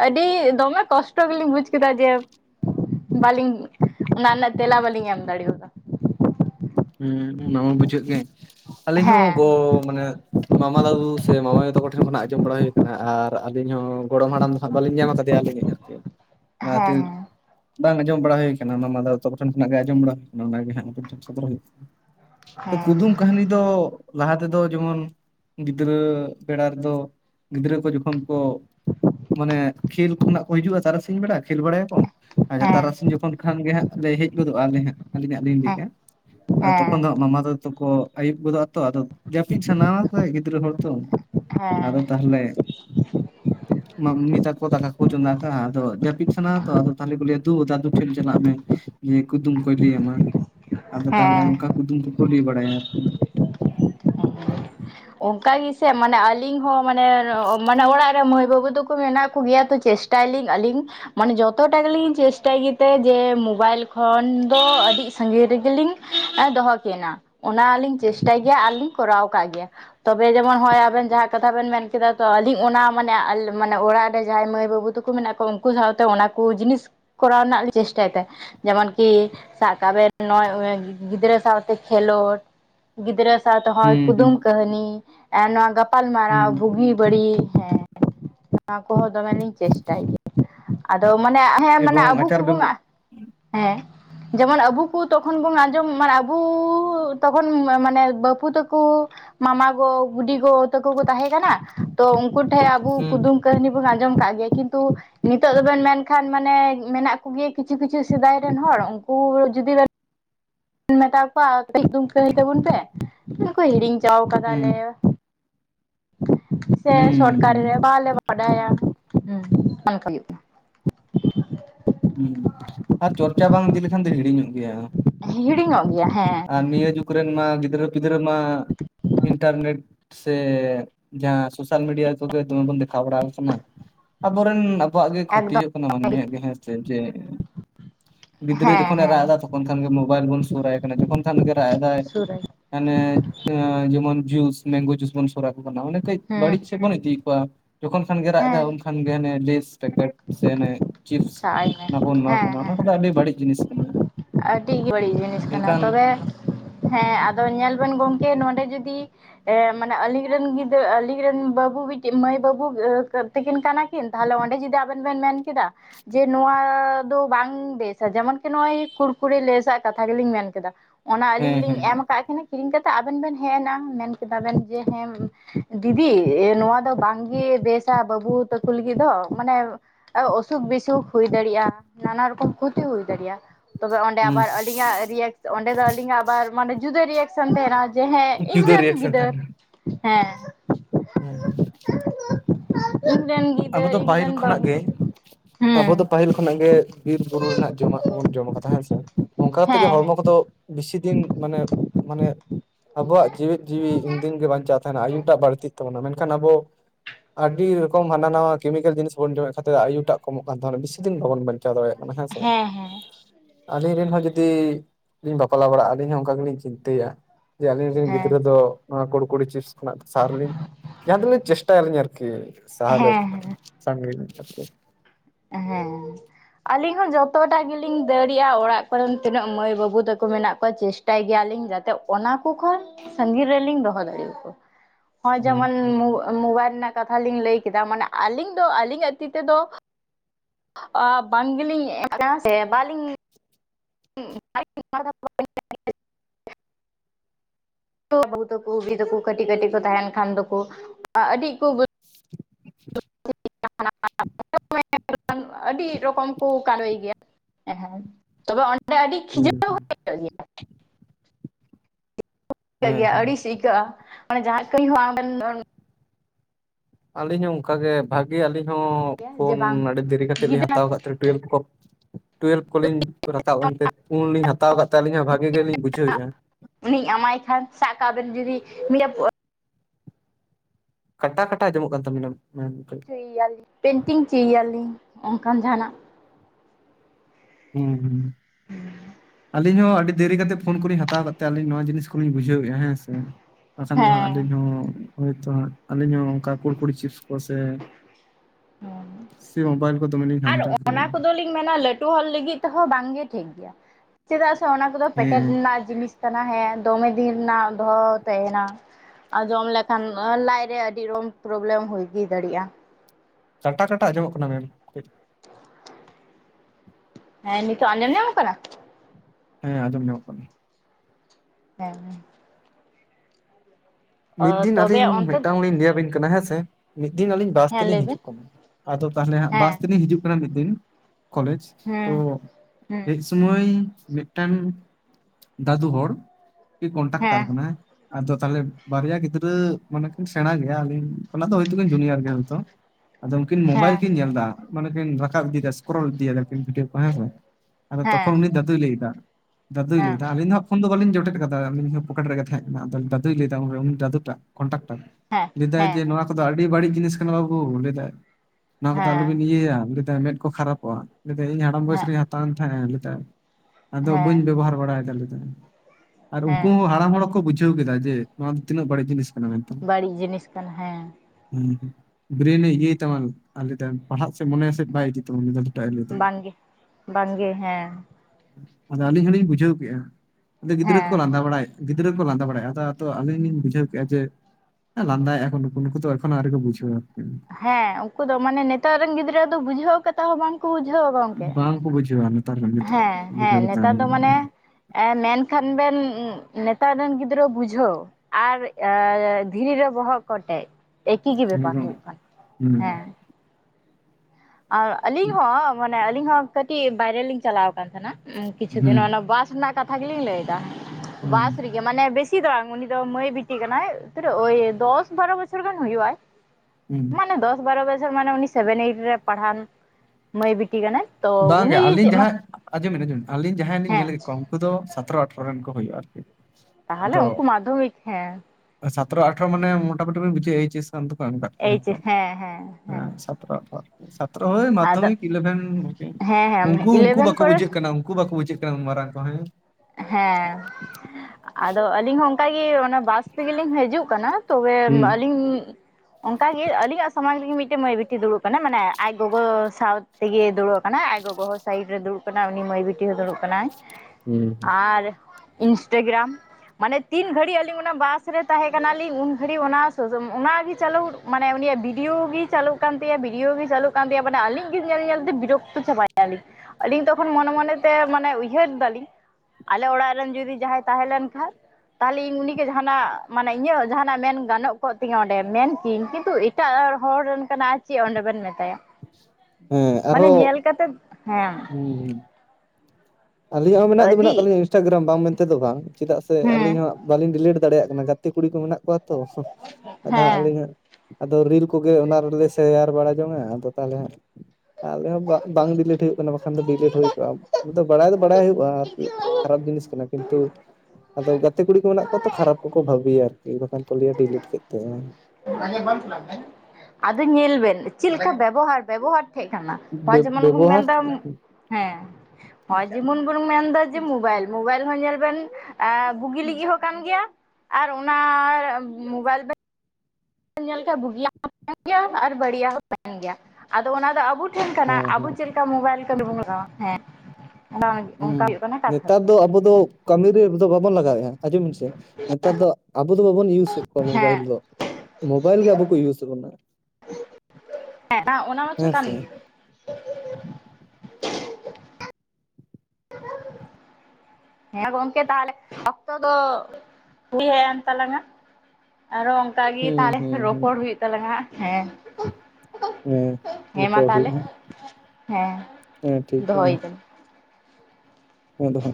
B: ᱟᱹᱰᱤ ᱫᱚᱢᱮ ᱠᱚᱥᱴᱚ ᱜᱮᱞᱤᱧ ᱵᱩᱡᱽ ᱠᱮᱫᱟ ᱡᱮ ᱵᱟᱹᱞᱤᱧ ᱚᱱᱟ ᱨᱮᱱᱟᱜ ᱛᱮᱞᱟ ᱵᱟᱹᱞᱤᱧ ᱮᱢ ᱫᱟᱲᱤᱣ ᱟᱫᱟ
A: ᱦᱮᱸ ᱚᱱᱟ ᱢᱟ ᱵᱩᱡᱷᱟᱹᱜ ᱜᱮ ᱟᱹᱞᱤᱧ ᱦᱚᱸ ᱜᱚ
B: ᱦᱮᱸ
A: ᱢᱟᱱᱮ ᱢᱟᱢᱟ ᱫᱟᱵᱩ ᱥᱮ ᱢᱟᱢᱟᱭᱳ ᱛᱟᱠᱚ ᱴᱷᱮᱱ ᱠᱷᱚᱱᱟᱜ ᱟᱡᱸᱚᱢ ᱵᱟᱲᱟ ᱦᱩᱭ ᱠᱟᱱᱟ ᱟᱨ ᱟᱹᱞᱤᱧ ᱦᱚᱸ ᱜᱚᱲᱚᱢ ᱦᱟᱲᱟᱢ ᱫᱚ ᱦᱟᱸᱜ ᱵᱟᱞᱤᱧ ᱧᱟᱢ ᱟᱴᱠᱟᱫᱮᱭᱟ ᱟᱹᱞᱤᱧ ᱚᱱᱟ ᱛᱤᱨ
B: ᱦᱮᱸ
A: ᱵᱟᱝ ᱟᱸᱡᱚᱢ ᱵᱟᱲᱟ ᱦᱩᱭ ᱠᱟᱱᱟ ᱚᱱᱟ ᱢᱟᱢᱟ ᱫᱟᱫᱩ ᱛᱟᱠᱚ ᱴᱷᱮᱱ ᱠᱷᱚᱱᱟᱜ ᱜᱮ ᱟᱸᱡᱚᱢ ᱫᱚ ᱚᱱᱟᱜᱮ ᱦᱟᱸᱜ ᱛᱚ
B: ᱦᱮᱸ
A: ᱠᱩᱫᱩᱢ ᱠᱟᱹᱦᱱᱤ ᱫᱚ ᱞᱟᱦᱟ ᱛᱮᱫᱚ ᱡᱮᱚᱢᱚᱱ ᱜᱤᱫᱽᱨᱟᱹ ᱵᱮᱲᱟ ᱨᱮᱫᱚ ᱜᱤᱫᱽᱨᱟᱹ ᱠᱚ ᱡᱚᱠᱷᱚᱱ ᱠᱚ ᱢᱟᱱᱮ ᱠᱷᱮᱞ ᱠᱷᱚᱱᱟᱜ ᱠᱚ ᱦᱤᱡᱩᱜᱼᱟ ᱛᱟᱨᱟᱥᱤᱧ ᱵᱮᱲᱟ ᱠᱷᱮᱞ ᱵᱟᱲᱟᱭᱟᱠᱚ ᱟᱪᱪᱷᱟ
B: ᱦᱮᱸ
A: ᱛᱟᱨᱟᱥᱤᱧ ᱡᱚᱠᱷᱚᱱ ᱠᱷᱟᱱ ᱜᱮ ᱦᱟᱸᱜ ᱞᱮ ᱦᱮᱡ ᱜᱚᱫᱚᱜᱼᱟ ᱟᱞᱮ ᱦᱟᱸᱜ ᱟᱹᱞᱤᱧᱟᱸᱜ ᱞᱤᱧ
B: ᱦᱮᱸ
A: ᱞᱟᱹᱭᱼᱟ
B: ᱦᱮᱸ ᱦᱮᱸ
A: ᱟᱨ ᱛᱚᱠᱷᱚᱱ ᱫᱚ ᱢᱟᱢᱟ ᱫᱟᱫᱩ ᱠᱚ ᱟᱹᱭᱩᱵ ᱜᱚᱫᱚᱜ-ᱟ ᱛᱚ ᱟᱫᱚ ᱡᱟᱹᱯᱤᱫ ᱥᱟᱱᱟᱣᱟ ᱜᱤᱫᱽᱨᱟᱹ ᱦᱚᱲ ᱛᱚ
B: ᱦᱮᱸ
A: ᱟᱫᱚ ᱛᱟᱦᱞᱮ
B: <unintelligible>
A: ᱢᱟᱢᱤ ᱛᱟᱠᱚ ᱫᱟᱠᱟ ᱠᱚ ᱪᱚᱸᱫᱟ ᱠᱟᱜ-ᱟ ᱟᱫᱚ ᱡᱟᱹᱯᱤᱫ ᱥᱟᱱᱟ ᱛᱚ ᱟᱫᱚ ᱛᱟᱦᱚᱞᱮ ᱠᱚ ᱞᱟᱹᱭ ᱟ ᱫᱩ ᱫᱟᱫᱩ ᱴᱷᱮᱱ ᱪᱟᱞᱟᱜ ᱢᱮ ᱡᱤᱭᱮ ᱠᱩᱫᱩᱢ ᱠᱚᱭ ᱞᱟᱹᱭ ᱟᱢᱟ ᱟᱫᱚ ᱛᱟᱦᱚᱞᱮ
B: ᱦᱮᱸ
A: ᱚᱱᱠᱟ ᱠᱩᱫᱩᱢ ᱠᱚᱠᱚ ᱞᱟᱹᱭ ᱵᱟᱲᱟᱭᱟ ᱟᱨᱠᱤ
B: ᱚᱝᱠᱟ ᱜᱮᱥᱮ ᱢᱟᱱᱮ ᱟᱹᱞᱤᱧ ᱦᱚᱸ ᱢᱟᱱᱮ ᱢᱟᱱᱮ ᱚᱲᱟᱜ ᱨᱮ ᱢᱟᱹᱭ ᱵᱟᱹᱵᱩ ᱛᱟᱠᱚ ᱢᱮᱱᱟᱜ ᱠᱚᱜᱮᱭᱟ ᱛᱚ ᱪᱮᱥᱴᱟᱭᱟᱞᱤᱧ ᱟᱹᱞᱤᱧ ᱢᱟᱱᱮ ᱡᱚᱛᱚᱴᱟ ᱜᱮᱞᱤᱧ ᱪᱮᱥᱴᱟᱭᱜᱮᱛᱮ ᱡᱮ ᱢᱳᱵᱟᱭᱤᱞ ᱠᱷᱚᱱ ᱫᱚ ᱟᱹᱰᱤ ᱥᱟᱺᱜᱤᱧ ᱨᱮᱜᱮᱞᱤᱧ ᱫᱚᱦᱚ ᱠᱤᱱᱟ ᱚᱱᱟᱞᱤᱧ ᱪᱮᱥᱴᱟᱭ ᱜᱮᱭᱟ ᱟᱨᱞᱤᱧ ᱠᱚᱨᱟᱣ ᱠᱟᱜ ᱜᱮᱭᱟ ᱛᱚᱵᱮ ᱡᱮᱢᱚᱱ ᱦᱚᱜ ᱞᱱᱱᱟᱵᱮᱱ ᱡᱟᱦᱟᱸ ᱠᱟᱛᱷᱟ ᱵᱮᱱ ᱢᱮᱱ ᱠᱮᱫᱟ ᱛᱚ ᱟᱹᱞᱤᱧ ᱚᱱᱟ ᱢᱟᱱᱮ ᱢᱟᱱᱮ ᱚᱲᱟᱜ ᱨᱮ ᱡᱟᱦᱟᱸᱭ ᱢᱟᱹᱭ ᱵᱟᱹᱵᱩ ᱛᱟᱠᱚ ᱢᱮᱱᱟᱜ ᱠᱚᱣᱟ ᱩᱱᱠᱩ ᱩᱱᱠᱩ ᱥᱟᱶᱛᱮ ᱚᱱᱟ ᱠᱚ ᱡᱤᱱᱤᱥ ᱠᱚᱨᱟᱣ ᱨᱮᱱᱟᱜ ᱞᱮ ᱪᱮᱥᱴᱟᱭᱮᱫᱟ ᱡᱮᱢᱚᱱᱠᱤ ᱥᱟᱜ ᱠᱟᱵᱢᱮ ᱱᱚ ᱜᱤᱫᱽᱨᱟᱹ ᱥᱟᱶᱛᱮ ᱠᱷᱮᱞᱳᱰ ᱜᱤᱫᱽᱨᱟᱹ ᱥᱟᱶᱛᱮ ᱦᱚᱭ
A: ᱦᱩᱸ ᱦᱩᱸ
B: ᱠᱩᱫᱩᱢ ᱠᱟᱹᱦᱱᱤ ᱮ ᱱᱚᱣᱟ ᱜᱟᱯᱟᱞ ᱢᱟᱨᱟᱣ
A: ᱦᱩᱸ
B: ᱵᱩᱜᱤ ᱵᱟᱹᱲᱤᱡ, ᱦᱮᱸ ᱱᱚᱣᱟ ᱠᱚᱦᱚᱸ ᱫᱚᱢᱮᱞᱤᱧ ᱪᱮᱥᱴᱟᱭ ᱜᱮᱭᱟ ᱟᱫᱚ ᱢᱟᱱᱮ ᱦᱮᱸ ᱢᱟᱱᱮ
A: ᱮᱵᱚᱝ
B: ᱟᱵᱩ
A: ᱟᱪᱟᱨ
B: ᱠᱩ
A: ᱵᱮᱵ
B: ᱵᱩᱱ, ᱦᱮᱸ ᱡᱮᱢᱚᱱ ᱟᱵᱚ ᱠᱚ ᱛᱚᱠᱷᱚᱱ ᱵᱚᱱ ᱟᱸᱡᱚᱢ ᱢᱟᱱᱮ ᱟᱵᱩᱻᱻ ᱛᱚᱠᱷᱚᱱ ᱢᱟᱱᱮ ᱵᱟᱹᱵᱩ ᱛᱟᱠᱩ ᱢᱟᱢᱟ ᱜᱚ ᱵᱩᱰᱤ ᱜᱚ ᱛᱟᱠᱚ ᱠᱚ ᱛᱟᱦᱮᱸ ᱠᱟᱱᱟ ᱛᱚ ᱩᱱᱠᱩ ᱴᱷᱮᱡ ᱟᱵᱚ
A: ᱦᱩᱸ
B: ᱠᱩᱫᱩᱢ ᱠᱟᱹᱦᱱᱤ ᱵᱚᱱ ᱟᱸᱡᱚᱢ ᱠᱟᱜ ᱜᱮᱭᱟ ᱠᱤᱱᱛᱩ ᱱᱤᱛᱚᱜ ᱫᱚᱵᱮᱱ ᱢᱮᱱᱠᱷᱟᱱ ᱢᱟᱱᱮ ᱢᱮᱱᱟᱜ ᱠᱚᱜᱤ ᱠᱤᱪᱷᱩ ᱠᱤᱪᱷᱩ ᱥᱮᱫᱟᱭ ᱨᱮᱱ ᱦᱚᱲ ᱩᱱᱠᱩ ᱡᱩᱚᱫᱤ ᱵᱮᱱ ᱢᱮᱛᱟ ᱠᱚᱣᱟ ᱠᱟᱹᱭᱫᱩᱢ ᱠᱟᱹᱭ ᱛᱟᱵᱩᱱ ᱯᱮ ᱞᱟᱹᱭ-ᱟ ᱠᱚ ᱦᱤᱲᱤᱧ ᱡᱟᱣ
A: ᱦᱩᱸ
B: ᱠᱟᱫᱟᱞᱮ ᱥᱮ
A: ᱦᱩᱸ
B: ᱥᱚᱴᱠᱟᱨᱤ
A: ᱦᱩᱸ
B: ᱨᱮ ᱵᱟᱞᱮ ᱵᱟᱰᱟᱭᱟ
A: ᱦᱩᱸ ᱟᱨ ᱪᱚᱨᱪᱟ ᱵᱟᱝ ᱤᱫᱤ ᱞᱮᱠᱷᱟᱱ ᱫᱚ ᱦᱤᱲᱤᱧ ᱧᱚᱜ ᱜᱮᱭᱟ
B: ᱦᱤᱲᱤᱧ-ᱚᱜ ᱜᱮᱭᱟ ᱦᱮᱸ
A: ᱟᱨ ᱱᱤᱭᱟᱹ ᱡᱩᱜᱽ ᱨᱮᱱ ᱢᱟ ᱜᱤᱫᱽᱨᱟᱹ ᱯᱤᱫᱽᱨᱟᱹ ᱢᱟ ᱤᱱᱴᱟᱨᱱᱮᱴ ᱥᱮ ᱡᱟᱦᱟᱸ ᱥᱳᱥᱟᱞ ᱢᱤᱰᱤᱭᱟ ᱠᱚᱜᱮ ᱫᱚᱢᱮ ᱵᱚᱱ ᱫᱮᱠᱷᱟᱣ ᱵᱟᱲᱟ ᱟᱠᱚ ᱠᱟᱱᱟ ᱟᱵᱚᱨᱮᱱ ᱟᱵᱚᱣᱟᱜ ᱜᱮ ᱠᱷᱚᱛᱤ ᱦᱩᱭᱩᱜ ᱠᱟᱱᱟ ᱢᱟᱹᱱᱢᱤᱭᱟᱜ ᱜᱮ ᱦᱮᱸᱥᱮ ᱡᱮ ᱜᱤᱫᱽᱨᱟᱹ
B: ᱦᱮᱸ
A: ᱡᱚᱠᱷᱚᱱᱮ
B: ᱦᱮᱸ
A: ᱨᱟᱜ-ᱮᱫᱟ ᱛᱚᱠᱷᱚᱱ ᱠᱷᱟᱱ ᱜᱮ ᱢᱳᱵᱟᱭᱤᱞ ᱵᱚᱱ ᱥᱩᱨ ᱟᱭ ᱚᱱᱮ ᱡᱚᱠᱷᱚᱱ ᱠᱷᱟᱱ ᱜᱮ ᱨᱟᱜᱽ ᱮᱫᱟᱭ
B: ᱥᱩᱨ ᱨᱮ
A: ᱟᱱᱮ ᱮᱸ ᱡᱮᱢᱚᱱ ᱡᱩᱥ ᱢᱮᱝᱜᱳ ᱡᱩᱥ ᱵᱚᱱ ᱥᱳᱨ ᱟᱠᱟᱱ ᱠᱟᱱᱟ ᱢᱟᱱᱮ ᱪᱮᱫ ᱵᱟᱹᱲᱤᱡ
B: ᱦᱮᱸ
A: ᱥᱮᱫ ᱵᱚᱱ ᱤᱫᱤᱭᱮᱫ ᱠᱚᱣᱟ ᱡᱚᱠᱷᱚᱱ ᱠᱷᱟᱱ ᱜᱮ ᱨᱟᱜᱽ ᱮᱫᱟᱭ
B: ᱦᱮᱸ
A: ᱩᱱ ᱠᱷᱟᱱ ᱜᱮ ᱱᱮ ᱰᱮᱥᱯᱮᱠᱮᱴ ᱥᱮ ᱦᱟᱱᱮ ᱪᱤᱯᱥ
B: ᱥᱟᱦᱟᱭ ᱢᱮ
A: ᱱᱚᱣᱟ ᱠᱚ ᱵᱚᱱ ᱮᱢᱟᱣ ᱠᱚ ᱠᱟᱱᱟ ᱱᱚᱣᱟ ᱠᱚᱫᱚ ᱟᱹᱰᱤ ᱵᱟᱹᱲᱤᱡ ᱡᱤᱱᱤᱥ ᱠᱟᱱᱟ
B: ᱟᱹᱰᱤᱜᱮ ᱵᱟᱹᱲᱤᱡ ᱡᱤᱱᱤᱥ ᱠᱟᱱᱟ,
A: ᱢᱮᱱᱠᱷᱟᱱ
B: ᱛᱚᱵᱮ ᱦᱮᱸ ᱟᱫᱚ ᱧᱮᱞ ᱵᱮᱱ ᱜᱚᱝᱠᱮ ᱱᱚᱰᱮ ᱡᱩᱫᱤ ᱮ ᱢᱟᱱᱮ ᱟᱞᱤᱧ ᱨᱮᱱ ᱜᱤᱫᱽᱨᱟᱹ ᱟᱞᱤᱧ ᱨᱮᱱ ᱵᱟᱹᱵᱩ ᱵᱤᱴᱤ ᱢᱟᱹᱭ ᱵᱟᱹᱵᱩ <unintelligible> ᱛᱟᱹᱠᱤᱱ ᱠᱟᱱᱟ ᱠᱤᱱ ᱛᱟᱦᱞᱮ ᱚᱸᱰᱮ ᱡᱩᱫᱤ ᱟᱵᱮᱱ ᱵᱮᱱ ᱢᱮᱱ ᱠᱮᱫᱟ ᱡᱮ ᱱᱚᱣᱟ ᱫᱚ ᱵᱟᱝ ᱵᱮᱥᱟ ᱡᱮᱢᱚᱱᱠᱤ ᱱᱚᱜᱼᱚᱭ ᱠᱩᱨ ᱠᱩᱲᱤ ᱞᱮᱥᱟᱜ ᱠᱟᱛᱷᱟ ᱜᱮᱞᱤᱧ ᱢᱮᱱ ᱠᱮᱫᱟ ᱚᱱᱟ ᱟᱹᱞᱤᱧ
A: ᱦᱮᱸ
B: ᱞᱤᱧ
A: ᱦᱮᱸ
B: ᱮᱢ ᱠᱟᱜ ᱠᱤᱱᱟ ᱠᱤᱨᱤᱧ ᱠᱟᱛᱮᱫ ᱟᱵᱮᱱ ᱵᱮᱱ ᱦᱮᱡ ᱮᱱᱟ ᱢᱮᱱ ᱠᱮᱫᱟ ᱵᱮᱱ ᱡᱮ ᱦᱮᱸ ᱫᱤᱫᱤ ᱱᱚᱣᱟ ᱫᱚ ᱵᱟᱝᱜᱮ ᱵᱮᱥᱟ ᱵᱟᱹᱵᱩ ᱛᱮᱠᱚ ᱞᱟᱹᱜᱤᱫ ᱫᱚ ᱢᱟᱱᱮ ᱚᱥᱩᱠ ᱵᱤᱥᱩᱠ ᱦᱩᱭ ᱫᱟᱲᱮᱭᱟᱜᱼᱟ ᱱᱟᱱᱟ ᱨᱚᱠᱚᱢ ᱠᱷᱚᱛᱤ ᱦᱩᱭ ᱫᱟᱲᱮᱭᱟᱜᱼᱟ ᱛᱚᱵᱮ ᱚᱸᱰᱮ
A: ᱦᱩᱸ
B: ᱟᱵᱟᱨ ᱟᱞᱤᱧᱟᱜ ᱨᱤᱭᱮᱠᱴ ᱚᱸᱰᱮ ᱫᱚ ᱟᱞᱤᱧᱟᱜ ᱟᱵᱟᱨ ᱢᱟᱱᱮ ᱡᱩᱫᱟᱹ ᱨᱤᱭᱮᱠᱥᱚᱱ ᱛᱟᱦᱮᱱᱟ ᱡᱮ ᱦᱮᱸ ᱤᱧ
A: ᱡᱩᱫᱟᱹ
B: ᱨᱮᱱ
A: ᱨᱤᱭᱮᱠᱥᱚᱱ ᱛᱟᱦᱮᱱ
B: ᱜᱤᱫᱟᱹᱨ
A: ᱠᱟᱱᱟ
B: ᱦᱮᱸ ᱤᱧ ᱨᱮᱱ
A: ᱟᱵᱚ
B: ᱜᱤᱫᱟᱹᱨ
A: ᱫᱚ
B: ᱤᱧ
A: ᱯᱟᱦᱤᱞ
B: ᱨᱮᱱ
A: ᱠᱷᱚᱱᱟᱜ
B: ᱵᱟᱹᱵᱩ
A: ᱜᱮ
B: ᱦᱩᱸ
A: ᱟᱵᱚ
B: ᱦᱮᱸ
A: ᱫᱚ ᱯᱟᱹᱦᱤᱞ ᱠᱷᱚᱱᱟᱜ ᱜᱮ ᱵᱤᱨ ᱵᱩᱨᱩ ᱨᱮᱱᱟᱜ ᱡᱚᱢᱟᱜ ᱠᱚᱵᱚᱱ ᱡᱚᱢ ᱠᱟᱫᱟ ᱦᱮᱸᱥᱮ ᱚᱱᱠᱟ ᱛᱮᱜᱮ
B: ᱦᱮᱸ
A: ᱦᱚᱲᱢᱚ ᱠᱚᱫᱚ ᱵᱤᱥᱤ ᱫᱤᱱ ᱢᱟᱱᱮ ᱢᱟᱱᱮ ᱟᱵᱚᱣᱟᱜ ᱡᱤᱣᱤᱫ ᱡᱤᱣᱤ ᱩᱧ ᱫᱤᱱ ᱜᱮ ᱵᱟᱧᱪᱟᱣ ᱛᱟᱦᱮᱱᱟ ᱟᱭᱩᱴᱟᱜ ᱵᱟᱹᱲᱛᱤᱜ ᱛᱟᱵᱚᱱᱟ ᱢᱮᱱᱠᱷᱟᱱ ᱟᱵᱚ ᱟ. ᱰᱤ ᱨᱚᱠᱚᱡ ᱦᱟᱱᱟ ᱱᱟᱣᱟ ᱠᱮᱢᱤᱠᱟᱞ ᱡᱤᱱᱤᱥ ᱵᱚᱱ ᱡᱚᱢᱮᱫ ᱠᱷᱟᱹᱛᱤᱨ ᱟᱭᱩᱴᱟᱜ ᱠᱚᱢᱚᱜ ᱠᱟᱱ ᱛᱟᱵᱚᱱᱟ ᱵᱤᱥᱤ ᱫᱤᱱ ᱵᱟᱵᱚᱱ ᱵᱟᱧ ᱪᱟᱣ ᱫᱟᱲᱮᱭᱟᱜ ᱠᱟᱱᱟ ᱦᱮᱸ ᱥᱮ ᱟᱹᱞᱤᱧ ᱨᱤᱱ ᱦᱚᱸ ᱡᱩᱫᱤ ᱞᱤᱧ ᱵᱟᱯᱞᱟ ᱵᱟᱲᱟᱜᱼᱟ ᱟᱹᱞᱤᱧ ᱦᱚᱸ ᱚᱝᱠᱟ ᱜᱮᱞᱤᱧ ᱪᱤᱱᱛᱟᱹᱭᱟ ᱡᱮ ᱟᱹᱞᱤᱧ ᱨᱤᱱ
B: ᱦᱮᱸ
A: ᱜᱤᱫᱽᱨᱟᱹ ᱫᱚ ᱚᱱᱟ ᱠᱚᱲ ᱠᱚᱲᱤ ᱪᱤᱯᱥ ᱠᱷᱚᱱᱟᱜ ᱥᱟᱦᱟ ᱨᱮᱞᱤᱧ ᱡᱟᱦᱟᱸ ᱫᱚᱞᱤᱧ ᱪᱮᱥᱴᱟᱭᱟᱞᱤᱧ ᱟᱨᱠᱤ ᱥᱟᱦᱟᱨ ᱨᱮ
B: ᱦᱮᱸ ᱦᱮᱸ
A: <unintelligible>
B: ᱦᱮᱸ ᱟᱞᱤᱧ ᱦᱚᱸ ᱡᱚᱛᱚ ᱴᱟᱜ ᱜᱮᱞᱤᱧ ᱫᱟᱹᱲᱤᱜᱼᱟ ᱚᱲᱟᱜ ᱠᱚᱨᱮᱱ ᱛᱤᱱᱟᱹᱜ ᱢᱟᱹᱭ ᱵᱟᱹᱵᱩ ᱛᱮᱠᱚ ᱢᱮᱱᱟᱜ ᱠᱚᱣᱟ ᱪᱮᱥ ᱴᱟᱭ ᱜᱮᱭᱟᱞᱤᱧ ᱡᱟᱛᱮ ᱚᱱᱟ ᱠᱚ ᱠᱷᱟᱱ ᱥᱟᱺᱜᱤᱧ ᱨᱮᱞᱤᱧ ᱫᱚᱦᱚ ᱫᱟᱲᱮᱭᱟᱠᱚ ᱦᱚᱸᱭ
A: ᱦᱮᱸ
B: ᱡᱮᱢᱚᱱ ᱢᱚ ᱢᱚᱵᱟᱭᱤᱞ ᱨᱮᱱᱟᱜ ᱠᱟᱛᱷᱟ ᱞᱤᱧ ᱞᱟᱹᱭ ᱠᱮᱫᱟ ᱢᱟᱱᱮ ᱟᱹᱞᱤᱧ ᱫᱚ ᱟᱹᱞᱤᱧᱟᱜ ᱛᱤ ᱛᱮᱫᱚ ᱟᱻ ᱵᱟᱝ ᱜᱮᱞᱤᱧ <unintelligible> ᱵᱟᱞᱤᱧ <unintelligible> ᱵᱟᱹᱩ ᱛᱚᱠᱚ <unintelligible> ᱛᱚᱠᱚ ᱠᱟᱹᱴᱤᱡ ᱠᱟᱹᱴᱤᱡ ᱠᱚ ᱛᱟᱦᱮᱱ ᱠᱷᱟᱱ ᱫᱚᱠᱚ ᱟᱹᱰᱤ ᱠᱚ
A: <inaudible>
B: <unintelligible> ᱟᱹᱰᱤ ᱨᱚᱠᱚᱢ ᱠᱚ ᱠᱟᱨᱚᱭ ᱜᱮᱭᱟ <unintelligible> ᱛᱚᱵᱮ ᱚᱸᱰᱮ ᱟᱹᱰᱤ <unintelligible>
A: ᱦᱮᱸ
B: ᱦᱩᱭᱩᱜ ᱜᱮᱭᱟ ᱠᱟᱹᱜ
A: ᱦᱮᱸ
B: ᱜᱮᱭᱟ
A: ᱦᱮᱸ
B: ᱟᱹᱲᱤᱥ ᱟᱹᱭᱠᱟᱹᱜᱼᱟ ᱢᱟᱱᱮ ᱡᱟᱦᱟᱸ <unintelligible>
A: ᱟᱹᱞᱤᱧ ᱦᱚᱸ ᱚᱝᱠᱟ ᱜᱮ ᱵᱷᱟᱹᱜᱤ ᱟᱹᱞᱤᱧ ᱦᱚᱸ
B: ᱡᱮ
A: ᱯᱷᱚᱱ
B: ᱵᱟᱝ
A: ᱟᱹᱰᱤ ᱫᱮᱨᱤ ᱠᱟᱛᱮᱫ ᱞᱤᱧ
B: ᱜᱤᱫᱽᱨᱟᱹ
A: ᱦᱟᱛᱟᱣ
B: ᱠᱚ
A: ᱟᱠᱟᱫ ᱛᱮ ᱴᱩᱭᱮᱞᱵᱷ ᱠᱚ ᱴᱩᱭᱮᱞᱵᱷ ᱠᱚᱞᱤᱧ ᱨᱟᱠᱟᱵ ᱮᱱᱛᱮ ᱯᱷᱚᱱ ᱞᱤᱧ ᱦᱟᱛᱟᱣ ᱟᱠᱟᱫ ᱛᱮ ᱟᱹᱞᱤᱧ ᱦᱚᱸ ᱵᱷᱟᱜᱤ ᱜᱮᱞᱤᱧ ᱵᱩᱡᱷᱟᱹᱣᱮᱜᱼᱟ
B: ᱩᱱᱤᱧ ᱮᱢᱟᱭ ᱠᱷᱟᱱ ᱥᱟᱵ ᱠᱟᱜᱵᱤᱱ ᱡᱩᱫᱤ <unintelligible>
A: ᱠᱟᱴᱟ ᱠᱟᱴᱟ ᱟᱸᱡᱚᱢᱚᱜ ᱠᱟᱱ ᱛᱟᱵᱤᱱᱟ
B: ᱯᱮᱱᱴᱤᱝ ᱠᱮᱭᱟᱞᱤᱧ ᱚᱝᱠᱟᱱ ᱡᱟᱦᱟᱱᱟᱜ
A: ᱦᱩᱸ ᱦᱩᱸ
B: <inaudible>
A: ᱟᱹᱞᱤᱧ ᱦᱚᱸ ᱟᱹᱰᱤ ᱫᱮᱨᱤ ᱠᱟᱛᱮ ᱯᱷᱚᱱ ᱠᱚᱞᱤᱧ ᱦᱟᱛᱟᱣ ᱠᱟᱫ ᱛᱮ ᱟᱹᱞᱤᱧ ᱱᱚᱣᱟ ᱡᱤᱱᱤᱥ ᱠᱚᱞᱤᱧ ᱵᱩᱡᱷᱟᱹᱣᱮᱼᱟ ᱦᱮᱸ ᱥᱮ ᱵᱟᱠᱷᱟᱱ ᱫᱚ ᱦᱟᱸᱜ
B: ᱦᱮᱸ
A: ᱟᱹᱞᱤᱧ ᱦᱚᱸ ᱦᱭᱛᱚᱜ ᱟᱹᱞᱤᱧ ᱦᱚᱸ ᱚᱱᱠᱟ ᱠᱩᱲᱠᱩᱲᱤ ᱪᱤᱯᱥ ᱠᱚ ᱥᱮ
B: ᱦᱮᱸ
A: ᱥᱮ ᱢᱚᱵᱟᱭᱤᱞ ᱠᱚ ᱫᱚᱢᱮ ᱞᱤᱧ
B: ᱟᱨ
A: ᱜᱷᱟᱱᱴᱟ ᱠᱮᱜᱼᱟ
B: ᱚᱱᱟ ᱠᱚᱫᱚᱞᱤᱧ ᱢᱮᱱᱟ ᱞᱟᱹᱴᱩ ᱦᱚᱲ ᱞᱤᱜᱤᱫ ᱛᱮᱦᱚᱸ ᱵᱟᱝᱜᱮ ᱴᱷᱤᱠ ᱜᱤᱭᱟ ᱪᱮᱫᱟᱜ ᱥᱮ ᱚᱱᱟ ᱠᱚᱫᱚ ᱯᱮᱴᱮᱨ
A: ᱦᱮᱸ
B: ᱨᱤᱱᱟᱜ ᱡᱤᱱᱤ ᱠᱟᱱᱟ ᱦᱮᱸ ᱫᱚᱢᱮ ᱫᱤᱱ ᱨᱤᱱᱟᱜ ᱫᱚᱦᱚ ᱛᱮᱦᱮᱱᱟ ᱡᱚᱢ ᱞᱮᱠᱷᱟᱱ ᱞᱟᱡ ᱨᱮᱭᱟᱜ ᱟᱹᱰᱤ ᱨᱚᱢ ᱯᱨᱚᱵᱽᱞᱮᱢ ᱦᱩᱭ ᱜᱤ ᱫᱟᱲᱤᱭᱟᱜᱼᱟ
A: ᱠᱟᱴᱟ ᱠᱟᱴᱟ ᱟᱸᱡᱚ ᱢᱚᱜ ᱠᱟᱱᱟ ᱢᱮᱢ ᱠᱟᱹᱡ
B: ᱦᱮᱸ ᱱᱤᱛᱚᱜ ᱟᱸᱡᱚᱢ ᱧᱟᱢᱚᱜ ᱠᱟᱱᱟ?
A: ᱦᱮᱸ ᱟᱡᱚᱢ ᱧᱟᱢᱚᱜ ᱠᱟᱱᱟ
B: ᱦᱮᱸ
A: ᱢᱤᱫ ᱫᱤᱱ
B: ᱛᱚᱵᱮ
A: ᱟᱹᱞᱤᱧ
B: ᱚᱱᱛᱮ
A: ᱢᱤᱫᱴᱟᱝ ᱞᱤᱧ ᱞᱟᱹᱭᱟᱵᱤᱱ ᱠᱟᱱᱟ ᱦᱮᱸᱥᱮ ᱢᱤᱫ ᱫᱤᱱ ᱟᱹᱞᱤᱧ ᱵᱟᱥ
B: ᱦᱮᱸ
A: ᱛᱮᱞᱤᱧ
B: ᱞᱟᱹᱭ ᱵᱮᱱ
A: ᱦᱤᱡᱩᱜ ᱠᱟᱱᱟ ᱟᱫᱚ ᱛᱟᱦᱞᱮ ᱦᱟᱸᱜ ᱵᱟᱥ
B: ᱦᱮᱸ
A: ᱛᱮᱞᱤᱧ ᱦᱤᱡᱩᱜ ᱠᱟᱱᱟ ᱢᱤᱫ ᱫᱤᱱ ᱠᱚᱞᱮᱡᱽ ᱛᱚ
B: ᱦᱮᱸ ᱦᱮᱸ
A: ᱦᱮᱡ ᱥᱩᱢᱚᱭ ᱢᱤᱫᱴᱟᱝ ᱫᱟᱫᱩ ᱦᱚᱲ <unintelligible> ᱠᱚᱱᱴᱟᱠᱴᱟᱨ
B: ᱦᱮᱸ
A: ᱠᱟᱱᱟᱭ ᱟᱫᱚ ᱛᱟᱦᱞᱮ ᱵᱟᱨᱭᱟ ᱜᱤᱫᱽᱨᱟᱹ ᱢᱟᱱᱮ ᱠᱤ ᱥᱮᱸᱬᱟ ᱜᱮᱭᱟ ᱟᱹᱞᱤᱧ ᱠᱷᱚᱱᱟᱜ ᱫᱚ ᱦᱚᱭ ᱛᱚ ᱠᱤᱱ ᱡᱩᱱᱤᱭᱟᱨ ᱜᱮᱭᱟ ᱦᱚᱭᱛᱚ ᱟᱫᱚ ᱩᱱᱠᱤᱱ ᱢᱚᱵᱟᱭᱤᱞ
B: ᱦᱮᱸ
A: ᱠᱤᱱ ᱧᱮᱞ ᱫᱟ ᱢᱟᱱᱮ ᱠᱤᱱ ᱨᱟᱠᱟᱵ ᱤᱫᱤᱫᱟ ᱥᱠᱨᱚᱞ ᱤᱫᱤᱭᱮᱫᱟ ᱠᱤᱱ ᱵᱷᱤᱰ ᱦᱮᱸᱥᱮ ᱵᱟᱝ ᱟᱫᱚ ᱛᱚᱠᱷᱚᱱ
B: ᱦᱮᱸ
A: ᱩᱱᱤ ᱫᱟᱫᱩᱭ ᱞᱟᱹᱭᱫᱼᱟ, ᱫᱟᱫᱩᱭ
B: ᱦᱮᱸ ᱦᱮᱸ
A: ᱞᱟᱹᱭᱫᱟ ᱟᱹᱞᱤᱧ ᱦᱚᱸ ᱯᱷᱠᱷᱚᱱ ᱫᱚ ᱵᱟᱹᱞᱤᱧ ᱡᱚᱴᱮᱫ ᱠᱟᱫᱟ ᱟᱹᱞᱤᱧ ᱦᱚᱸ ᱯᱚᱠᱮᱴ ᱨᱮᱜᱮ ᱛᱟᱸᱦᱮᱜ ᱠᱟᱱᱟ ᱟᱫᱚ ᱫᱟᱫᱩᱭ ᱞᱟᱹᱭ ᱫᱟ ᱩᱱᱤ ᱫᱟᱫᱩ ᱴᱟᱜ ᱠᱚᱱᱴᱟᱠᱴᱟᱨ
B: ᱦᱮᱸ
A: ᱞᱮᱫᱟᱭ ᱡᱮ ᱱᱚᱣᱟ ᱠᱚᱫᱚ ᱟᱹᱰᱤ ᱵᱟᱹᱲᱤᱡ ᱡᱤᱱᱤᱥ ᱠᱟᱱᱟ ᱵᱟᱹᱵᱩ ᱞᱟᱹᱭ ᱫᱟᱭ ᱱᱚᱣᱟ ᱠᱚᱫᱚ ᱟᱞᱚᱵᱤᱱ ᱤᱭᱟᱹᱭᱟ ᱫᱟ ᱢᱮᱸᱫ ᱠᱚ ᱠᱷᱟᱨᱟᱯᱚᱜᱼᱟ ᱞᱟᱹᱭ ᱫᱟᱭ ᱤᱧ ᱦᱟᱲᱟᱢ
B: ᱦᱮᱸ
A: ᱵᱚᱭᱮᱥ
B: ᱦᱮᱸ
A: ᱨᱤᱧ ᱦᱟᱛᱟᱣᱟᱱ ᱛᱟᱸᱦᱮᱜᱼᱟ, ᱞᱮᱭ ᱫᱟᱭ ᱟᱫᱚ ᱵᱟᱹᱧ
B: ᱦᱮᱸ
A: ᱵᱮᱵᱚᱦᱟᱨ ᱵᱟᱲᱟᱭ ᱫᱟ ᱞᱮᱭ ᱫᱟᱭ, ᱟᱨ ᱩᱱᱠᱩ
B: ᱦᱮᱸ
A: ᱦᱚᱸ ᱦᱟᱲᱟᱢ ᱦᱚᱲ ᱦᱚᱸ ᱠᱚ ᱵᱩᱡᱷᱟᱹᱣ ᱠᱮᱫᱟ ᱡᱮ ᱱᱚᱣᱟ ᱫᱚ ᱛᱤᱱᱟᱹᱜ ᱵᱟᱹᱲᱤᱡ ᱡᱤᱱᱤᱥ ᱠᱟᱱᱟ ᱢᱮᱱᱛᱮ
B: ᱵᱟᱹᱲᱤᱡ ᱡᱤᱱᱤᱥ ᱠᱟᱱᱟ ᱦᱮᱸ
A: ᱦᱩᱸ ᱵᱨᱮᱱᱮ ᱤᱭᱟᱹᱭ ᱛᱟᱢᱟ ᱟᱞᱮᱭ ᱫᱟᱭ ᱯᱟᱲᱦᱟᱜ ᱥᱮᱫ ᱢᱚᱱᱮ ᱥᱮᱫ ᱵᱟᱭ ᱤᱫᱤ ᱛᱟᱢᱟ ᱢᱮᱱᱫᱟ
B: ᱵᱟᱝᱜᱮ - ᱵᱟᱝᱜᱮ ᱦᱮᱸ
A: ᱟᱫᱚ ᱟᱹᱞᱤᱧ ᱦᱩᱞᱤᱧ ᱵᱩᱡᱷᱟᱹᱣ ᱠᱮᱜᱼᱟ, ᱟᱫᱚ ᱜᱤᱫᱽᱨᱟᱹ ᱠᱚ
B: ᱦᱮᱸ
A: ᱞᱟᱸᱫᱟ ᱵᱟᱲᱟᱭᱼᱟ ᱜᱤᱫᱽᱨᱟᱹ ᱠᱚ ᱞᱟᱸᱫᱟ ᱵᱟᱲᱟᱭᱮᱼᱟ ᱟᱫᱚ ᱛᱚ ᱟᱞᱤᱧ ᱞᱤᱧ ᱵᱩᱡᱷᱟᱹᱣ ᱠᱮᱜᱼᱟ, ᱡᱮ ᱞᱟᱸᱫᱟᱭᱮᱼᱟ ᱠᱚ ᱱᱩᱠᱩ ᱼ ᱱᱩᱠᱩ ᱫᱚ ᱮᱠᱷᱚᱱ ᱦᱚᱸ ᱟᱹᱣᱨᱤ ᱠᱚ ᱵᱩᱡᱷᱟᱹᱣᱟ
B: ᱦᱮᱸ ᱳᱱᱠᱳ ᱫᱚ ᱢᱟᱱᱮ ᱱᱮᱛᱟᱨ ᱨᱮᱱ ᱜᱤᱫᱽᱨᱟᱹ ᱫᱚ ᱵᱩᱡᱷᱟᱹᱣ ᱠᱟᱛᱮ ᱦᱚᱸ ᱵᱟᱝᱠᱚ ᱵᱩᱡᱷᱟᱹᱣᱟ ᱜᱚᱝᱠᱮ᱾
A: ᱵᱟᱝ ᱠᱚ ᱵᱩᱡᱷᱟᱹᱣᱟ ᱱᱮᱛᱟᱨ ᱨᱮᱱ ᱜᱤᱫᱽᱨᱟᱹ
B: ᱦᱮᱸ - ᱦᱮᱸ
A: ᱵᱩᱡᱷᱟᱹᱣ
B: ᱼ
A: ᱠᱟᱛᱮ
B: ᱱᱮᱛᱟᱨ ᱫᱚ ᱢᱟᱱᱮ ᱮ ᱢᱮᱱᱠᱷᱟᱱ ᱵᱮᱱ ᱱᱮᱛᱟᱨ ᱨᱮᱱ ᱜᱤᱫᱽᱨᱟᱹ ᱵᱩᱡᱷᱟᱹᱣ ᱟᱨ ᱮᱻ ᱫᱷᱤᱨᱤ ᱨᱮ ᱵᱚᱦᱚᱜ ᱠᱚᱴᱮᱡ ᱮᱠᱤ ᱜᱮ ᱵᱮᱯᱟᱨ
A: ᱮᱠᱫᱚᱢ
B: ᱦᱳᱭᱳᱜ ᱠᱟᱱᱟ
A: ᱦᱩᱸ
B: ᱦᱮᱸ᱾ ᱟᱨ ᱟᱹᱞᱤᱧ ᱦᱚᱸ ᱢᱟᱱᱮ ᱟᱹᱞᱤᱧ ᱦᱚᱸ ᱠᱟᱹᱴᱤᱡ ᱵᱟᱭᱨᱮ ᱞᱤᱧ ᱪᱟᱞᱟᱣ ᱠᱟᱱ ᱛᱟᱦᱮᱱᱟ ᱠᱤᱪᱷᱩ
A: ᱦᱩᱸ
B: ᱫᱤᱱ ᱚᱱᱟ ᱵᱟᱥ ᱨᱮᱱᱟᱜ ᱠᱟᱛᱷᱟ ᱜᱤᱞᱤᱧ ᱞᱟᱹᱭ ᱫᱟ ᱵᱟᱥ
A: ᱦᱩᱸ
B: ᱨᱮᱜᱮ ᱢᱟᱱᱮ ᱵᱮᱥ ᱫᱚ ᱵᱟᱝ ᱩᱱᱤ ᱫᱚ ᱢᱟᱹᱭ ᱵᱤᱴᱤ ᱠᱟᱱᱟᱭ ᱛᱳᱨ ᱳᱭ ᱫᱚᱥ ᱵᱟᱨᱚ ᱵᱚᱪᱷᱚᱨ ᱜᱟᱱ ᱦᱩᱭᱩᱜ ᱟᱭ
A: ᱦᱩᱸ
B: ᱢᱟᱱᱮ ᱫᱚᱥ ᱵᱟᱨᱚ ᱵᱚᱪᱷᱚᱨ ᱢᱟᱱᱮ ᱩᱱᱤ ᱥᱮᱵᱷᱮᱱ ᱮᱭᱤᱴ ᱨᱮ ᱯᱟᱲᱦᱟᱣ ᱟᱱ ᱢᱟᱹᱭ ᱵᱤᱴᱤ ᱠᱟᱱᱟᱭ ᱛᱚ
A: ᱵᱟᱝ ᱜᱮ
B: ᱩᱱᱤ
A: ᱟᱹᱞᱤᱧ
B: ᱪᱮᱫ ᱢᱟ
A: ᱡᱟᱦᱟᱸ ᱟᱸᱡᱚᱢ ᱵᱤᱱ, ᱟᱸᱡᱚᱢ ᱵᱤᱱ, ᱟᱹᱞᱤᱧ ᱡᱟᱸᱦᱟᱭ ᱞᱤᱧ
B: ᱦᱮᱸ
A: ᱧᱮᱞ ᱠᱮᱫ ᱠᱚᱣᱟ ᱳᱱᱠᱳ ᱫᱚ, ᱥᱚᱛᱨᱚ ᱟᱴᱷᱨᱚ ᱨᱮᱱ ᱠᱚ ᱦᱠᱭᱳᱜᱼᱟ ᱟᱨᱠᱤ
B: ᱛᱟᱦᱚᱞᱮ
A: ᱟᱫᱚ
B: ᱳᱱᱠᱩ ᱢᱟᱫᱽᱫᱷᱚᱢᱤᱠ ᱦᱮᱸ᱾
A: ᱥᱟᱛᱨᱚ ᱟᱴᱷᱨᱚ ᱢᱟᱱᱮ ᱢᱚᱴᱟ ᱢᱩᱴᱤ ᱵᱤᱱ ᱵᱩᱡᱟᱹᱣᱮᱟ ᱮᱭᱤᱪ ᱮᱥ ᱥᱟᱱ ᱫᱚᱠᱟ ᱮᱢᱠᱟᱜ ᱠᱚᱭᱟ
B: ᱮᱭᱤᱪ ᱮᱥ
A: ᱮᱠᱫᱚᱢ
B: ᱦᱮᱸ ᱦᱮᱸ ᱦᱮᱸ
A: ᱦᱸ ᱥᱟᱛᱨᱚ ᱟᱴᱨᱳ <unintelligible> ᱥᱟᱛᱨᱚ ᱳᱭ
B: ᱟᱫᱚ
A: ᱢᱟᱫᱽᱫᱷᱚᱢᱤᱠ ᱤᱞᱮᱵᱷᱮᱱ
B: ᱦᱮᱸ ᱦᱮᱸ
A: ᱩᱱᱠᱩ ᱩᱱᱠᱩ
B: ᱤᱞᱮᱵᱷᱮᱱ
A: ᱵᱟᱠᱚ
B: ᱠᱚᱨᱮ
A: ᱵᱩᱡᱷᱟᱹᱜ ᱠᱟ ᱱᱟ ᱩᱱᱠᱩ ᱵᱟᱠᱚ ᱵᱩᱡᱷᱟᱹᱜ ᱠᱟᱱᱟ ᱩᱱ ᱢᱟᱨᱟᱝ ᱠᱚ ᱦᱮᱸ
B: ᱦᱮᱸ ᱟᱫᱚ ᱟᱹᱞᱤᱧ ᱦᱚᱸ ᱚᱝᱠᱟᱜᱤ ᱚᱱᱟ ᱵᱟᱥ ᱛᱮᱜᱮᱞᱤᱧ ᱦᱮᱡᱩᱜ ᱠᱟᱱᱟ ᱛᱳᱵᱮ
A: ᱦᱩᱸ
B: ᱟᱹᱞᱤᱧ ᱚᱱᱠᱟ ᱜᱤ ᱟᱹᱞᱤᱧᱼᱟᱜ ᱥᱚᱢᱟᱝ ᱨᱤᱜᱤ ᱢᱤᱫᱴᱮᱡ ᱢᱟᱹᱭ ᱵᱤᱴᱤ ᱫᱩᱲᱩᱵ ᱠᱟᱱᱟ ᱢᱟᱱᱮ ᱟᱡ ᱜᱚᱜᱚ ᱥᱟᱶ ᱛᱮᱜᱤ ᱫᱩᱲᱩᱵ ᱠᱟᱱᱟᱭ, ᱟᱡ ᱜᱚᱜᱚ ᱥᱟᱭᱤᱰ ᱨᱮ ᱫᱩᱲᱩᱵ ᱠᱟᱱᱟ, ᱩᱱᱤ ᱢᱟᱹᱭ ᱵᱤᱴᱤ ᱦᱚᱸ ᱫᱩᱲᱩᱵ ᱠᱟᱱᱟᱭ
A: ᱦᱩᱸ
B: ᱟᱨ ᱤᱱᱥᱴᱟᱜᱮᱨᱟᱢ ᱢᱟᱱᱮ ᱛᱤᱱ ᱜᱷᱟᱹᱲᱤ ᱟᱹᱞᱤᱧ ᱚᱱᱟ ᱵᱟᱥ ᱨᱮ ᱛᱟᱸᱦᱮ ᱠᱟᱱᱟᱞᱤᱧ ᱩᱱ ᱜᱷᱟᱹᱲᱤ ᱚᱱᱟ <unintelligible> ᱚᱱᱟᱜᱤ ᱪᱟᱹᱞᱩ ᱢᱟᱱᱮ ᱩᱱᱤᱭᱟᱼᱜ ᱵᱷᱤᱰᱤᱭᱳ ᱜᱮ ᱪᱟᱹᱞᱩᱜ ᱠᱟᱱ ᱛᱟᱭᱟ, ᱵᱷᱤᱰᱭᱳ ᱜᱮ ᱪᱟᱹᱞᱩᱜ ᱠᱟᱱ ᱛᱟᱭᱟ, ᱢᱟᱱᱮ ᱟᱹᱞᱤᱧ ᱜᱮ ᱧᱮᱞ ᱧᱮᱞᱛᱮ ᱵᱤᱨᱚᱠᱛᱚ ᱪᱟᱵᱼᱟᱭ ᱱᱟᱞᱤᱧ ᱟᱞᱤᱧ ᱛᱚᱠᱷᱚᱱ ᱢᱚᱱᱮ ᱢᱚᱱᱮ ᱛᱮ ᱢᱟᱱᱮ ᱩᱭᱦᱟᱹᱨ ᱫᱟᱞᱤᱧ ᱟᱞᱮ ᱚᱲᱟᱜ ᱨᱮᱱ ᱡᱩᱫᱤ ᱡᱟᱦᱟᱸᱭ ᱛᱟᱦᱮᱸ ᱞᱮᱱ ᱠᱷᱟᱱ ᱛᱟᱦᱚᱞᱮ ᱤᱧ ᱩᱱᱤᱜᱮ ᱡᱟᱦᱟᱱᱟᱼᱜ, ᱢᱟᱱᱮ ᱤᱧᱟᱹᱜ ᱡᱟᱦᱟᱱᱟᱜ ᱢᱮᱱ ᱜᱟᱱᱚᱜ ᱠᱚᱜ ᱛᱤᱧᱟᱹ ᱚᱸᱰᱮ, ᱢᱮᱱ ᱠᱤᱧᱟᱹᱧ ᱠᱤᱱᱛᱩ ᱮᱴᱟᱜ ᱦᱚᱲ ᱨᱮᱱ ᱠᱟᱱᱟ ᱟᱨ ᱪᱮᱫ ᱚᱸᱰᱮ ᱵᱮᱮᱱ ᱢᱮᱛᱟᱭᱟ
A: <inaudible>
B: ᱢᱟᱱᱮ
A: ᱟᱨᱚ
B: ᱧᱮᱞ ᱠᱟᱛᱮᱜ ᱦᱮᱸ
A: ᱦᱩᱸ - ᱦᱩᱸ ᱟᱹᱞᱤᱧᱟᱼᱜ ᱦᱚᱸ ᱢᱮᱱᱟᱜ ᱫᱚ ᱢᱮᱱᱟᱜ
B: ᱟᱹᱰᱤ
A: ᱛᱟᱹᱞᱤᱧᱟ, ᱤᱱᱥᱴᱟᱜᱮᱨᱟᱢ ᱵᱟᱝ ᱢᱮᱱᱛᱮ ᱫᱚ ᱵᱟᱝ, ᱪᱮᱫᱟᱜ ᱥᱮ
B: ᱦᱮᱸ
A: ᱟᱹᱞᱤᱧ ᱦᱚᱸ ᱵᱟᱟᱹᱞᱤᱧ ᱰᱤᱞᱤᱴ ᱫᱟᱲᱮᱭᱟᱼᱜ ᱠᱟᱱᱟ, ᱜᱟᱛᱮ ᱠᱩᱲᱤ ᱠᱚ ᱢᱮᱱᱟᱜ ᱠᱚᱣᱟ ᱛᱚ, ᱟᱫᱚ ᱦᱟᱸᱜ
B: ᱦᱮᱸ
A: ᱟᱹᱞᱤᱧᱟᱜ ᱟᱫᱚ ᱨᱤᱞ ᱠᱚᱜᱮ ᱚᱱᱟ ᱨᱮᱞᱮ ᱥᱮᱭᱟᱨ ᱵᱟᱲᱟ ᱡᱚᱝᱟ, ᱟᱫᱚ ᱛᱟᱦᱚᱞᱮ ᱦᱟᱸᱜ ᱟᱞᱮ ᱦᱚᱸ ᱵᱟ ᱵᱟᱝ ᱰᱤᱞᱮᱴ ᱦᱩᱭᱩᱜ ᱠᱟᱱᱟ ᱵᱟᱠᱷᱟᱱ ᱫᱚ ᱰᱤᱞᱮᱴ ᱦᱩᱭ ᱠᱚᱜᱼᱟ ᱵᱟᱲᱟᱭ ᱫᱚ ᱵᱟᱲᱟᱭ ᱦᱩᱭᱩᱜᱼᱟ ᱟᱨᱠᱤ ᱠᱷᱟᱨᱟᱯ ᱡᱤᱱᱤᱥ ᱠᱟᱱᱟ ᱠᱤᱱᱛᱩᱼᱼ ᱟᱫᱚ ᱜᱟᱛᱮ ᱠᱩᱲᱤ ᱠᱚ ᱢᱮᱱᱟᱜ ᱠᱚᱣᱟ ᱛᱚ, ᱠᱷᱟᱨᱟᱯ ᱠᱚᱼᱠᱚ ᱵᱷᱟᱹᱵᱤᱼᱭᱟ ᱟᱨᱠᱤ, ᱵᱟᱠᱷᱟᱱ ᱠᱚ ᱞᱭᱟ ᱰᱤᱤᱴ ᱠᱮᱫ ᱛᱮ
B: <unintelligible> ᱟᱫᱚ ᱧᱮᱞ ᱵᱮᱱ ᱪᱮᱫᱮ ᱞᱮᱠᱟ ᱵᱮᱵᱚᱦᱟᱨ - ᱵᱮᱵᱚᱦᱟᱨ ᱛᱟᱦᱮᱸᱮᱡ ᱠᱟᱱᱟᱜ ᱡᱮᱢᱚᱱ ᱵᱚᱱ
A: ᱵᱮᱵᱚᱦᱟᱨ
B: ᱢᱮᱱᱮᱫᱟ ᱦᱮᱸ᱾ ᱦᱚᱸᱭ ᱡᱮᱢᱚᱱ ᱵᱚᱱᱢ ᱢᱮᱱᱮᱫᱟ ᱡᱮ ᱢᱚᱵᱟᱭᱤᱞ, ᱢᱳᱚᱵᱟᱭᱤᱞ ᱦᱚᱸ ᱧᱮᱞ ᱵᱮᱱᱼᱼ ᱵᱩᱜᱤ ᱞᱟᱹᱜᱤᱫ ᱦᱚᱸ ᱠᱟᱱ ᱜᱮᱭᱟ ᱟᱨ ᱚᱱᱟ ᱢᱳᱵᱟᱭᱤᱞᱼᱼ ᱧᱮᱞ ᱵᱩᱜᱤᱭᱟ ᱦᱚᱸ ᱛᱟᱦᱮᱱ ᱜᱮᱭᱟ ᱟᱨ ᱵᱟᱹᱲᱤᱡᱟ ᱦᱚᱸ ᱛᱟᱦᱮ ᱜᱮᱭᱟ ᱟᱫᱚ ᱚᱱᱟ ᱫᱚ ᱟᱵᱚᱼᱼ ᱠᱟᱱᱟ
A: ᱦᱚᱸ
B: ᱟᱵᱚ
A: ᱦᱚᱸ
B: ᱪᱮᱫ ᱞᱮᱠᱟ ᱢᱳᱵᱟᱭᱤᱞ ᱠᱚᱫᱚᱵᱚᱱ ᱞᱟᱜᱟᱣᱟ ᱦᱮᱸᱼᱼ
A: ᱦᱩᱸ ᱱᱮᱛᱟᱨ ᱫᱚ ᱟᱵᱚ ᱫᱚ ᱠᱟᱹᱢᱤ ᱨᱮᱫᱚ ᱵᱟᱵᱚᱱ ᱞᱟᱜᱟᱣᱮᱫᱼᱟ ᱟᱡᱚᱢᱵᱮᱱ ᱥᱮ ᱱᱮᱛᱟᱨ ᱫᱚᱼᱼ ᱟᱵᱚ ᱫᱚ ᱵᱟᱵᱚᱱ ᱤᱭᱩᱡᱮᱫ ᱠᱚᱣᱟ ᱢᱳᱵᱟᱭᱤᱞ
B: ᱦᱮᱸ
A: ᱫᱚ, ᱢᱳᱵᱟᱭᱤᱞ ᱜᱮ ᱟᱵᱚ ᱠᱚ ᱤᱭᱩᱡᱮ ᱵᱚᱱᱟ᱾
B: ᱦᱮᱸ ᱚᱱᱟ ᱦᱚᱪᱚ
A: ᱦᱮᱸ
B: ᱠᱟᱱ
A: ᱥᱮ
B: ᱜᱤᱭᱟᱹ᱾ <inaudible> ᱦᱮᱸ ᱜᱚᱝᱠᱮ ᱛᱟᱦᱚᱞᱮ ᱚᱠᱛᱚ ᱫᱚ ᱦᱩᱭ ᱦᱮᱡᱮᱱ ᱛᱟᱞᱟᱝᱟ᱾ ᱟᱨᱚ ᱚᱱᱠᱟ ᱜᱮ
A: ᱦᱩᱸ
B: ᱛᱟᱦᱚᱞᱮ
A: ᱦᱩᱸ ᱦᱩᱸ
B: ᱨᱚᱯᱚᱲ ᱦᱩᱭᱩᱼᱜ ᱛᱟᱞᱟᱝ ᱦᱮᱸ᱾
A: ᱦᱮᱸ
B: ᱦᱮᱸ ᱢᱟ
A: ᱨᱚᱯᱚᱲ
B: ᱛᱟᱦᱚᱞᱮ
A: ᱦᱩᱭᱩᱜᱼᱟ
B: ᱦᱮᱸ
A: ᱦᱮᱸ ᱴᱷᱤᱠ ᱜᱮᱭᱟ ᱢᱟ
B: ᱫᱚᱦᱚᱭᱤᱫᱟᱹᱧ᱾
A: ᱦᱮᱸ ᱫᱚᱦᱚᱭᱼᱼ